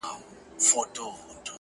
د ښایستونو خدایه سر ټيټول تاته نه وه؟